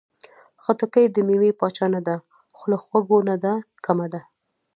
خټکی د مېوې پاچا نه ده، خو له خوږو نه ده کمه.